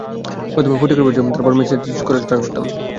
প্রথমে ফটোগ্রাফার ছিলাম, তারপর ম্যাসাজ করার কাজ করতাম।